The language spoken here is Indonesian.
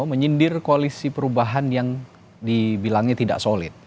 menyindir koalisi perubahan yang dibilangnya tidak solid